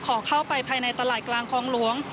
ขอเข้าไปภายในตลาดกลางคลองหลวง